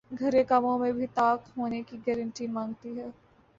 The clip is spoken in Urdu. گھر کے کاموں میں بھی طاق ہونے کی گارنٹی مانگتی ہیں